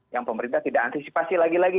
yang pemerintah tidak antisipasi lagi lagi